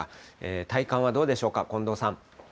体感はどうでしょうか、近藤さん。